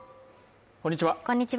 こんにちは